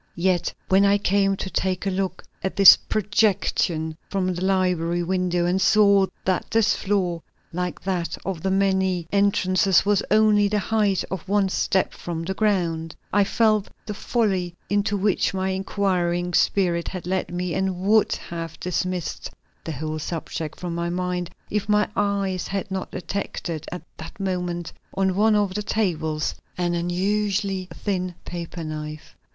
Yet when I came to take a look at this projection from the library window and saw that this floor, like that of the many entrances, was only the height of one step from the ground, I felt the folly into which my inquiring spirit had led me, and would have dismissed the whole subject from my mind if my eyes had not detected at that moment on one of the tables an unusually thin paper knife.